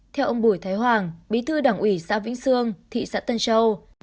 theo ông bùi thái hoàng bí thư đảng ủy xã vĩnh sương thị xã tân châu